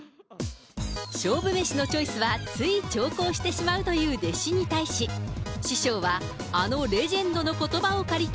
勝負メシのチョイスは、つい長考してしまうという弟子に対し、師匠は、あのレジェンドのことばを借りて。